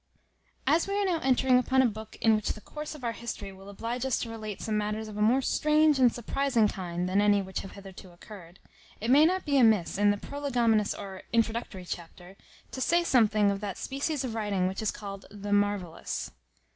As we are now entering upon a book in which the course of our history will oblige us to relate some matters of a more strange and surprizing kind than any which have hitherto occurred, it may not be amiss, in the prolegomenous or introductory chapter, to say something of that species of writing which is called the marvellous.